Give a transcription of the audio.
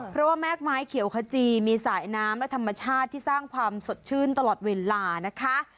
เพราะว่าแม่กไม้เขียวขจีมีสายน้ำและธรรมชาติที่สร้างความสดชื่นตลอดเวลานะคะ